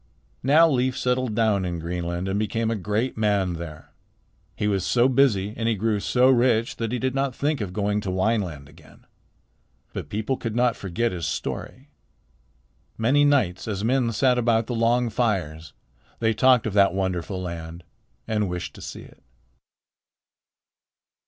Now Leif settled down in Greenland and became a great man there. He was so busy and he grew so rich that he did not think of going to Wineland again. But people could not forget his story. Many nights as men sat about the long fires they talked of that wonderful land and wished to see it.